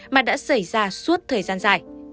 mà đã xảy ra suốt thời gian dài